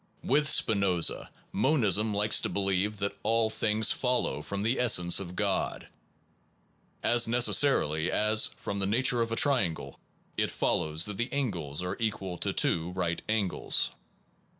With Spin oza, monism likes to believe that all things follow from the essence of God as necessarily as from the nature of a triangle it follows that the angles are equal to two right angles.